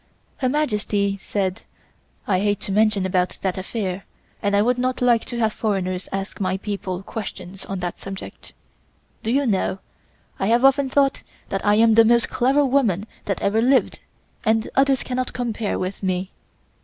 Her Majesty said: "I hate to mention about that affair and I would not like to have foreigners ask my people questions on that subject. Do you know, I have often thought that I am the most clever woman that ever lived and others cannot compare with me.